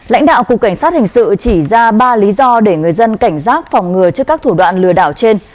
lãnh đạo cục cảnh sát hình sự chỉ ra ba lý do để người dân cảnh giác phòng ngừa trước các thủ đoạn lừa đảo trên